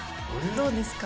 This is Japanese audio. どうですか？